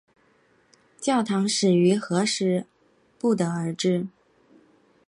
教堂始建于何时不得而知。